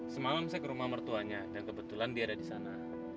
semalam saya ke rumah mertuanya dan kebetulan dia ada di sana